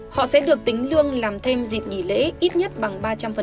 họ sẽ được tính lương làm thêm dịp nghỉ lễ ít nhất bằng ba trăm linh